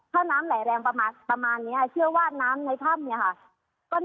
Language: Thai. ถ้าน้ำไหลแรงประมาณนี้เชื่อว่าน้ำในถ้ำนี่